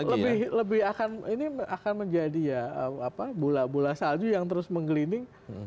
nah ini akan menjadi bola salju yang terus menggelinding